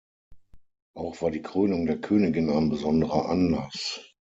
Auch war die Krönung der Königin ein besonderer Anlass.